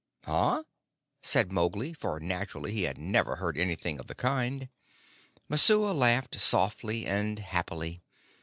"Hah?" said Mowgli, for naturally he had never heard anything of the kind. Messua laughed softly and happily.